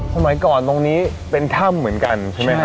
สมัยก่อนตรงนี้เป็นถ้ำเหมือนกันใช่ไหมฮะ